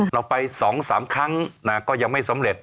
เราไป๒๓ครั้งก็ยังไม่สำเร็จ